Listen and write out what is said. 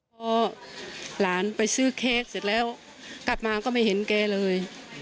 พอหลานไปซื้อเค้กเสร็จแล้วกลับมาก็ไม่เห็นแกเลย